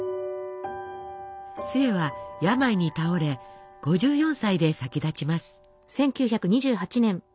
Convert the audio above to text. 壽衛は病に倒れ５４歳で先立ちます。